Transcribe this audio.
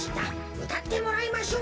うたってもらいましょう。